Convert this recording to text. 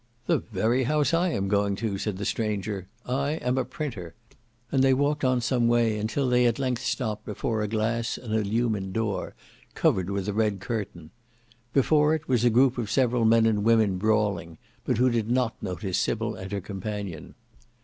"The very house I am going to," said the stranger: "I am a printer." And they walked on some way, until they at length stopped before a glass and illumined door, covered with a red curtain. Before it was a group of several men and women brawling, but who did not notice Sybil and her companion.